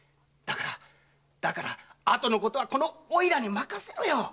だからだからあとのことはこのおいらに任せろよ。